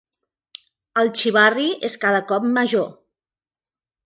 El xivarri és cada cop major.